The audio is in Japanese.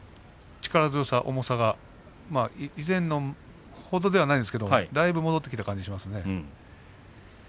力強さ、重さが以前ほどではないですがだいぶ戻ってきた感じがしますね。